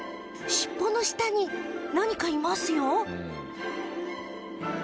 尻尾の下に何かいますよ